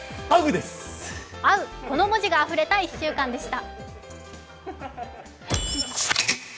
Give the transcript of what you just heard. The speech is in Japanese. この文字があふれた１週間でした。